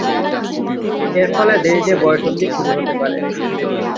এর ফলে দেরীতে বয়ঃসন্ধি শুরু হতে পারে।